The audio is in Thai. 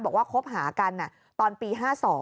บอกว่าคบหากันตอนปี๕๒